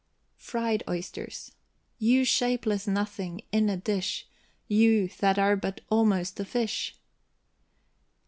FRIED OYSTERS. You shapeless nothing, in a dish! You, that are but almost a fish!